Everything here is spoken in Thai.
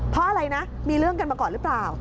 เพราะอะไรนะมีเรื่องกันมาก่อนหรือเปล่า